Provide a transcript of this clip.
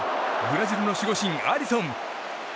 ブラジルの守護神アリソン。